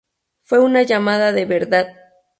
Fue una llamada de verdad.